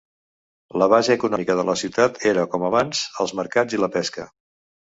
La base econòmica de la ciutat era com abans, els mercants i la pesca.